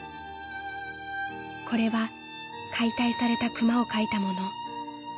［これは解体された熊を描いたもの］